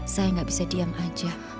saya nggak bisa diam aja